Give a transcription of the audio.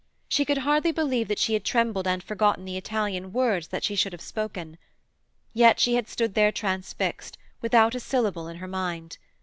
She could hardly believe that she had trembled and forgotten the Italian words that she should have spoken. Yet she had stood there transfixed, without a syllable in her mind.